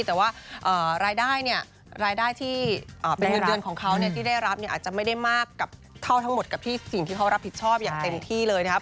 แต่ว่ารายได้ที่เป็นเงินเงินของเขาที่ได้รับอาจจะไม่ได้มากเท่าทั้งหมดกับสิ่งที่เขารับผิดชอบอย่างเต็มที่เลยนะฮะ